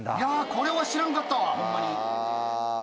これは知らんかったわホンマに。